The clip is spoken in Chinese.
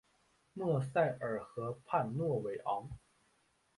莫塞尔河畔诺韦昂。